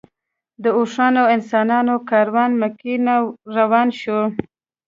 د اوښانو او انسانانو کاروان مکې نه روان شو.